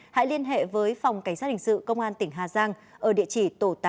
hãy liên hệ với phòng cảnh sát hình sự công an tỉnh hà giang ở địa chỉ tổ tám